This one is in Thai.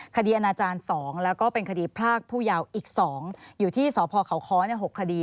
อนาจารย์๒แล้วก็เป็นคดีพรากผู้ยาวอีก๒อยู่ที่สพเขาค้อ๖คดี